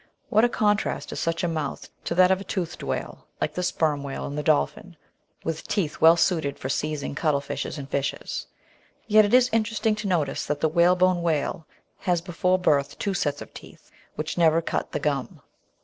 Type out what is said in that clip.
What a contrast is such a mouth to that of a toothed whale, like the Sperm Whale and the Dolphin, with teeth well suited for seizing cuttlefishes and fishes! Yet it is interesting to notice that the whalebone whale has before birth two sets of teeth, which never cut the gum!